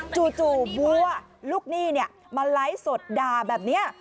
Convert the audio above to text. จู่จู่บัวลูกหนี้เนี้ยมาไล่สดดาแบบเนี้ย